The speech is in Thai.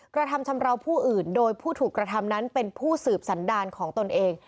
กระทำชำราวผู้อื่นโดยผู้ถูกกระทำนั้นเป็นผู้สืบสันดารของตนเอง